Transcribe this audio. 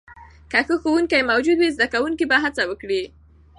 که ښه ښوونکې موجود وي، زده کوونکي به هڅه وکړي.